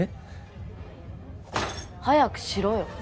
バン！早くしろよ！